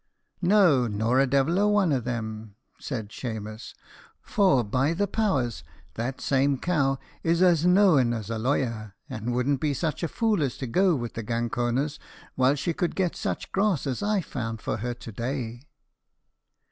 "'No, nor the devil a one of them,' said Shemus, 'for, by the powers, that same cow is as knowen as a lawyer, and wouldn't be such a fool as to go with the ganconers while she could get such grass as I found for her to day.'"